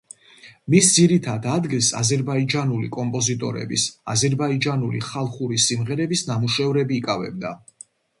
მის ძირითად ადგილს აზერბაიჯანული კომპოზიტორების, აზერბაიჯანული ხალხური სიმღერების ნამუშევრები იკავებდა.